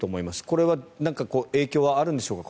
これは影響はあるんでしょうか？